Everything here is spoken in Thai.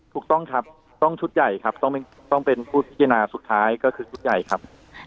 ถูกต้องครับต้องชุดใหญ่ครับต้องเป็นผู้พิจารณาสุดท้ายก็คือชุดใหญ่ครับ